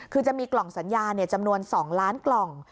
คือจะมีกล่องสัญญาจำนวน๒ล้านกล่อง